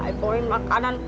ayah bawain makanan